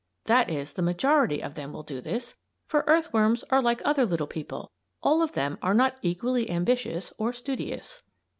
That is the majority of them will do this; for earthworms are like other little people all of them are not equally ambitious or studious.